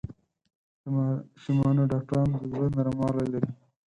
د ماشومانو ډاکټران د زړۀ نرموالی لري.